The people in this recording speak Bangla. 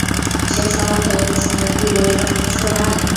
সে সম্বন্ধে কুসুমের কি বলিবার কিছু নাই?